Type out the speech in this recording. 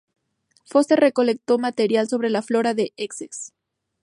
Forster recolectó material sobre la flora de Essex.